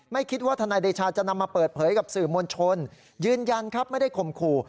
ไม่คิดว่าทนายเดชาจะนำมาเปิดเผยกับสื่อมวลชนยืนยันครับไม่ได้ข่มขู่